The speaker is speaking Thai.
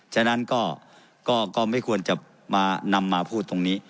ฉะนั้นก็ไม่ควรจะมานำมาพูดตรงนี้